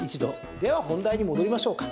では、本題に戻りましょうか。